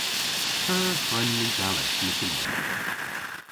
P'eur hwren ni dalleth myttinweyth?